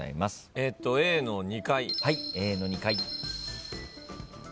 えっとＡの２階。